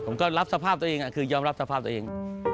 ผมก็รับสภาพตัวเองคือยอมรับสภาพตัวเอง